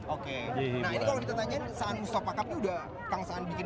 oke nah ini kalau ditanya saan mustofakap ini udah bangsaan bikin